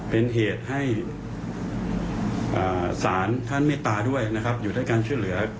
เป็นเหตุให้ศาลท่านเมตตาด้วยนะครับอยู่ด้วยการช่วยเหลือ